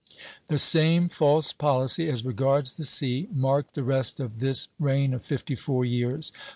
The same false policy, as regards the sea, marked the rest of this reign of fifty four years.